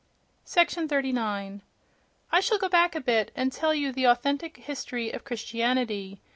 — 39. —I shall go back a bit, and tell you the authentic history of Christianity.